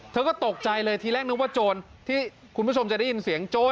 เธอก็ตกใจเลยทีแรกนึกว่าโจรที่คุณผู้ชมจะได้ยินเสียงโจร